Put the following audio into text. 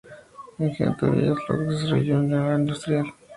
El ghetto de Bialystok desarrolló un área industrial.